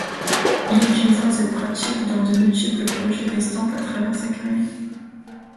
Il utilisera cette pratique dans de multiples projets d'estampes à travers sa carrière.